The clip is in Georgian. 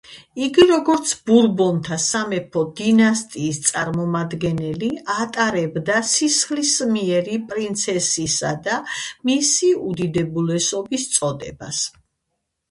იგი, როგორც ბურბონთა სამეფო დინასტიის წარმომადგენელი, ატარებდა სისხლისმიერი პრინცესისა და მისი უდიდებულესობის წოდებას.